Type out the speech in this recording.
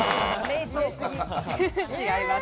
違います。